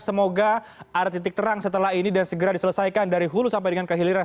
semoga ada titik terang setelah ini dan segera diselesaikan dari hulu sampai dengan kehiliran